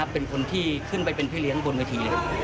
เป็นคนที่ขึ้นไปเป็นพี่เลี้ยงบนเวทีเลย